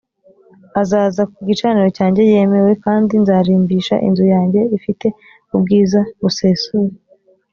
azaza ku gicaniro cyanjye yemewe kandi nzarimbisha inzu yanjye ifite ubwiza busesuye